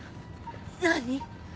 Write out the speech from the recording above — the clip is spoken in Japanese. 何？